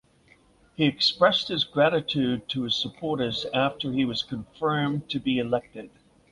He expressed his gratitude to his supporters after he was confirmed to be elected.